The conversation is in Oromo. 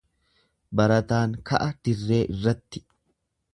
Barataan ka'a dirree irratti.